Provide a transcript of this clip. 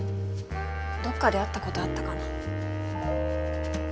どっかで会ったことあったかな？